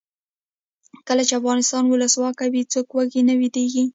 کله چې افغانستان کې ولسواکي وي څوک وږی نه ویدېږي.